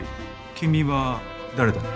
君は誰だね？